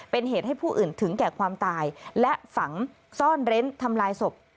เป็นเหตุให้ผู้อื่นถึงแก่ความตายและฝังซ่อนเร้นทำลายศพ